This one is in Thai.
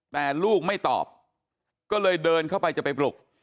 แต่ลูกไม่ตอบก็เลยเดินเข้าไปจะไปปลุก